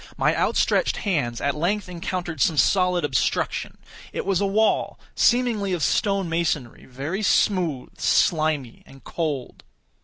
My outstretched hands at length encountered some solid obstruction. It was a wall, seemingly of stone masonry—very smooth, slimy, and cold.